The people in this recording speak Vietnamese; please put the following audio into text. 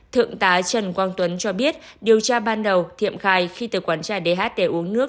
thượng tá trần quang tuấn cho biết điều tra ban đầu thiệm khai khi từ quán trà dht uống nước